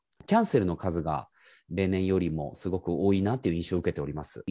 キャンセルの数が、例年よりもすごく多いなという印象を受けております。